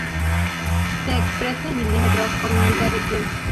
Se expresa en milímetros por unidad de tiempo.